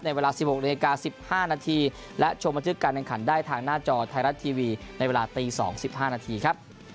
เวลา๑๖นาฬิกา๑๕นาทีและชมบันทึกการแข่งขันได้ทางหน้าจอไทยรัฐทีวีในเวลาตี๒๕นาทีครับ